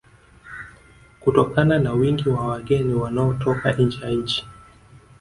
Kutokana na wingi wa wageni wanaotoka nje ya nchi